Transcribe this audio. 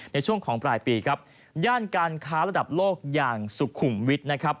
ในช่วงของปลายปีครับย่านการค้าระดับโลกอย่างสุขุมวิทย์นะครับ